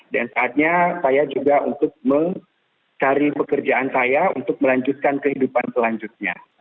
dan saatnya saya juga untuk mencari pekerjaan saya untuk melanjutkan kehidupan selanjutnya